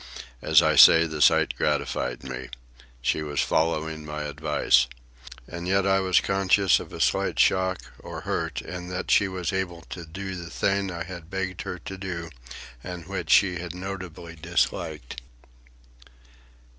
As I say, the sight gratified me. She was following my advice. And yet I was conscious of a slight shock or hurt in that she was able to do the thing I had begged her to do and which she had notably disliked.